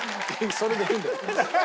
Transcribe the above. それでいいんだよ。